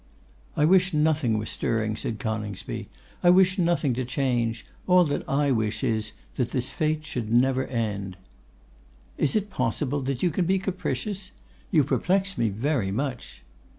'I wish nothing was stirring,' said Coningsby. 'I wish nothing to change. All that I wish is, that this fête should never end.' 'Is it possible that you can be capricious? You perplex me very much.